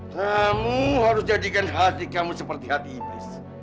kamu harus jadikan hati kamu seperti hati iblis